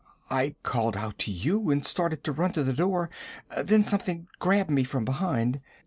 I called out to you and started to run to the door then something grabbed me from behind.